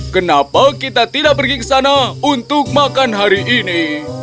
kenapa kita tidak pergi ke sana untuk makan hari ini